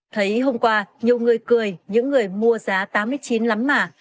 thấy hôm qua nhiều người cười những người mua giá tám mươi chín lắm mà